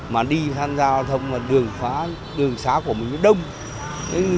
mà đi tham gia giao thông là đường xá của mình nó đông